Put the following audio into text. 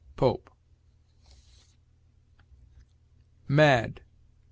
Pope. MAD.